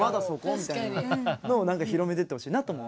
みたいなのを広めていってほしいなとも思う。